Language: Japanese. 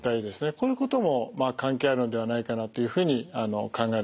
こういうことも関係あるのではないかなというふうに考えられます。